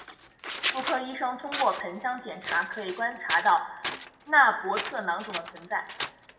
妇科医生通过盆腔检查可以观察到纳博特囊肿的存在。